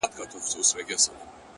مـاتــه يــاديـــده اشـــــنـــا.!